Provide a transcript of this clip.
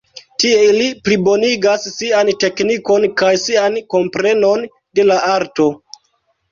Tiel ili plibonigas sian teknikon kaj sian komprenon de la arto.